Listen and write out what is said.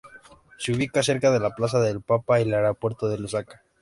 Se ubica cerca de la Plaza del Papa y el Aeropuerto de Lusaka.